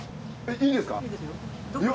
いいですよ。